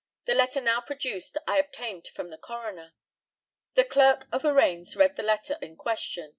The letter now produced I obtained from the coroner. The Clerk of Arraigns read the letter in question.